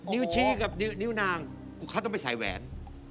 นิ้วชี้กับนิ้วนางเขาต้องไปใส่แหวน